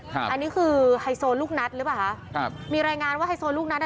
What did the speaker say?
อันนี้คือไฮโซลูกนัดหรือเปล่าคะครับมีรายงานว่าไฮโซลูกนัดอ่ะ